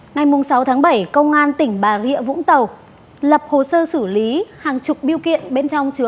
ngày sáu tháng bảy công an tỉnh bà rịa vũng tàu lập hồ sơ xử lý hàng chục biêu kiện bên trong chứa các hồ sơ xử lý